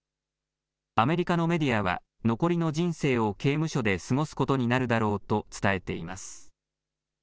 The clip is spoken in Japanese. アメリカのメディアは、残りの人生を刑務所で過ごすことになるだろうと伝えています。